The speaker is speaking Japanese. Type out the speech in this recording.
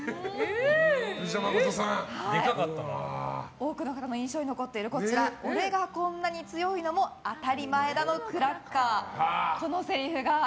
多くの方も印象に残ってらっしゃる俺がこんなに強いのもあたり前田のクラッカー。